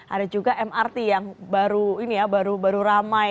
ada juga mrt yang baru ini ya baru ramai